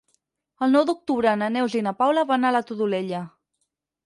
El nou d'octubre na Neus i na Paula van a la Todolella.